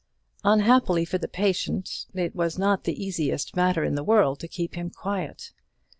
Unhappily for the patient, it was not the easiest matter in the world to keep him quiet.